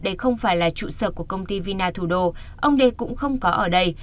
đây không phải là trụ sở của công ty vina thủ đô ông đê cũng không có ở đây